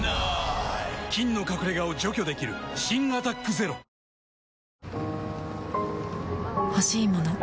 菌の隠れ家を除去できる新「アタックＺＥＲＯ」「髪顔体髪顔体